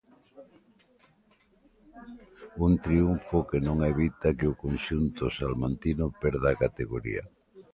Un triunfo que non evita que o conxunto salmantino perda a categoría.